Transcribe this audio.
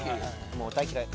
もう大嫌い。